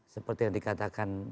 seperti yang dikatakan